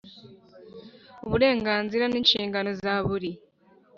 Uburenganzira n inshingano za buri